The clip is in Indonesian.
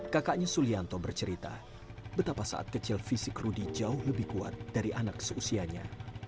kakaknya sulianto bercerita betapa saat kecil fisik rudy jauh lebih kuat dari anak seusianya